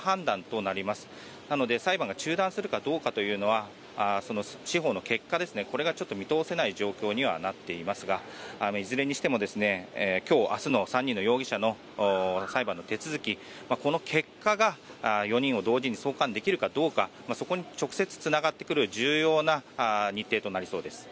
なので、裁判が中断するかどうかというのはその司法の結果ですねこれがちょっと見通せない状況になっていますがいずれにしても今日明日の３人の容疑者の裁判の手続きこの結果が４人を同時に送還できるかどうかそこに直接、つながってくる重要な日程となりそうです。